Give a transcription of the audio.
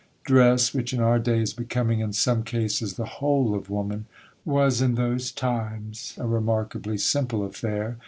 Dress, which in our day is becoming in some cases the whole of woman, was in those times a remarkably simple affair.